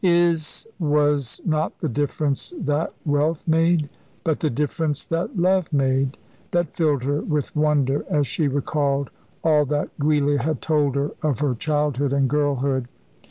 Is was not the difference that wealth made but the difference that love made, that filled her with wonder as she recalled all that Giulia had told her of her childhood and girlhood.